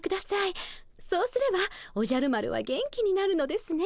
そうすればおじゃる丸は元気になるのですね。